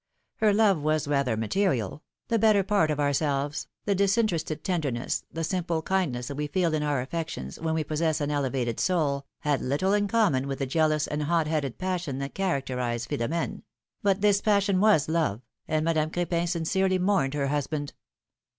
Her love was rather material ; the better part of ourselves, the disinterested tenderness, the simple kindness that we feel in our affections, when we possess an elevated soul, had little in common with the jealous and hot headed jmssion that characterized Philo m^ne; but this passion was love, and Madame Cr^pin sincerely mourned her husband.